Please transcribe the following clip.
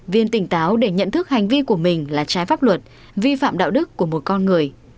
viên tỉnh táo để nhận thức hành vi của mình là trái pháp luật vi phạm đạo đức của một con người